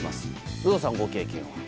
有働さん、ご経験は？